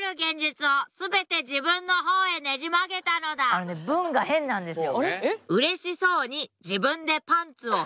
あのね文が変なんですよ。